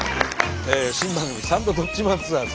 新番組「サンドどっちマンツアーズ」。